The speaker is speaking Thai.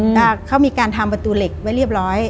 ก็เขามีการทำประตูเหล็กไว้เรียบร้อย